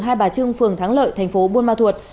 hai bà trưng phường thắng lợi thành phố buôn ma thuột